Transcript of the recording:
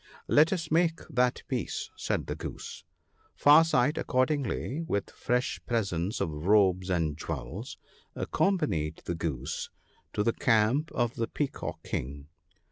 ' Let us make that Peace !' said the Goose. Far sight accordingly, with fresh presents of robes and jewels, accompanied the Goose to the camp of the Peacock King.